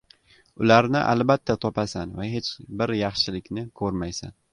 ularni albatta topasan va hech bir yaxshilikni koʻrmaysan.